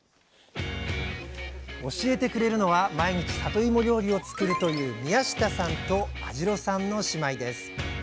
教えてくれるのは毎日さといも料理を作るという宮下さんと安城さんの姉妹です。